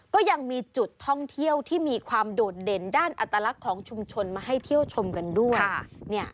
ก็ยังมีจุดท่องเที่ยวที่มีความโดดเด่นด้านอัตลักษณ์ของชุมชนมาให้เที่ยวชมกันด้วย